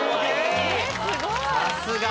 さすが。